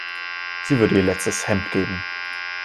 Sie würde ihr letztes Hemd geben.